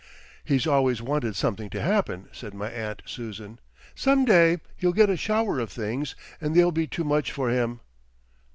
"He's always wanting something to happen," said my aunt Susan. "Some day he'll get a shower of things and they'll be too much for him."